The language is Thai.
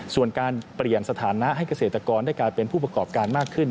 ส่วนการเปลี่ยนสถานะให้เกษตรกรได้กลายเป็นผู้ประกอบการมากขึ้น